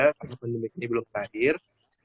karena pandemi ini belum terakhir